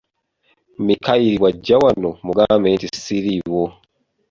Mikayiri bwajja wano mugambe nti siriiwo.